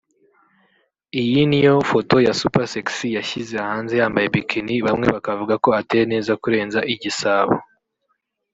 Iyi niyo foto ya Super Sexy yashyize hanze yambaye bikini bamwe bakavuga ko ateye neza kurenza igisabo